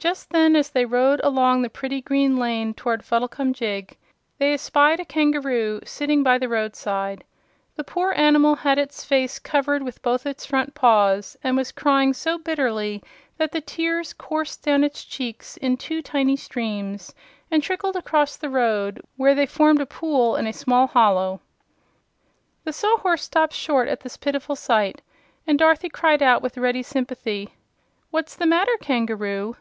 Just then, as they rode along the pretty green lane toward Fuddlecumjig, they espied a kangaroo sitting by the roadside. The poor animal had its face covered with both its front paws and was crying so bitterly that the tears coursed down its cheeks in two tiny streams and trickled across the road, where they formed a pool in a small hollow. The Sawhorse stopped short at this pitiful sight, and Dorothy cried out, with ready sympathy: "What's the matter, Kangaroo?"